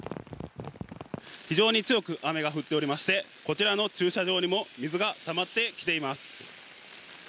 非常に強く雨が降っておりまして、こちらの駐車場にも水がたまってきています。